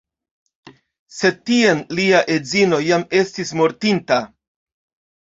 Sed tiam lia edzino jam estis mortinta.